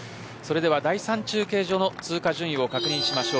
第３中継所の通過順位を確認しましょう。